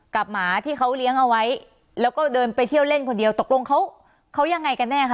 หมาที่เขาเลี้ยงเอาไว้แล้วก็เดินไปเที่ยวเล่นคนเดียวตกลงเขาเขายังไงกันแน่คะ